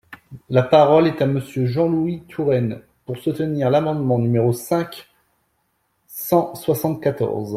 La parole est à Monsieur Jean-Louis Touraine, pour soutenir l’amendement numéro cinq cent soixante-quatorze.